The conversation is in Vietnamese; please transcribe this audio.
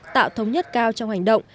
tạo thống nhất cao trong hành động